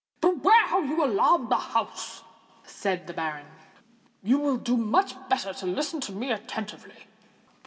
"Beware how you alarm the house!" said the baronet. "You will do much better to listen to me attentively."